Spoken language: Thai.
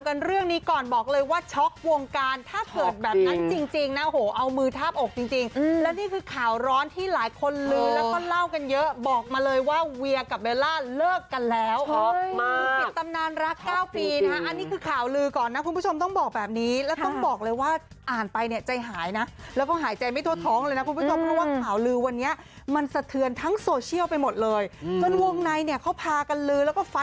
กันเรื่องนี้ก่อนบอกเลยว่าช็อควงการถ้าเกิดแบบนั้นจริงนะโหเอามือทาบอกจริงแล้วนี่คือข่าวร้อนที่หลายคนลื้อแล้วก็เล่ากันเยอะบอกมาเลยว่าเวียกับเบลล่าเลิกกันแล้วออกมาตำนานรัก๙ปีนะอันนี้คือข่าวลื้อก่อนนะคุณผู้ชมต้องบอกแบบนี้แล้วต้องบอกเลยว่าอ่านไปเนี่ยใจหายนะแล้วก็หายใจไม่ทดท้องเลยนะคุ